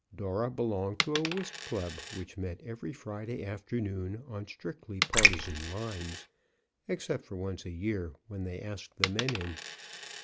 Dora belonged to a whist club which met every Friday afternoon on strictly partizan lines, except for once a year, when they asked the men in.